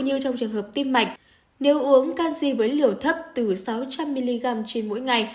như trong trường hợp tim mạch nếu uống canxi với liều thấp từ sáu trăm linh mg trên mỗi ngày